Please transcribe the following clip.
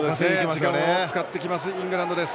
時間を使ってきますイングランド。